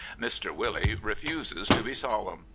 Mr. " Willie " refuses to be solemn.